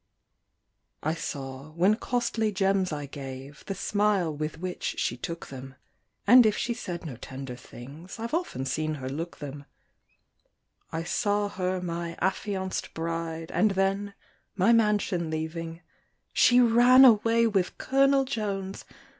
I saw, when costly gems I gave, The smile with which she took them; And if she said no tender things, I've often seen her look them; I saw her my affianced bride, And then, my mansion leaving, She ran away with Colonel Jones!